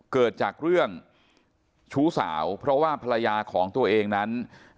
เกิดจากเรื่องชู้สาวเพราะว่าภรรยาของตัวเองนั้น